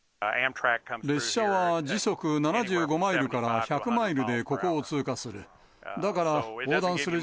列車は時速７５マイルから１００マイルでここを通過する。